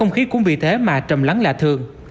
âu khí cũng vì thế mà trầm lắng lạ thường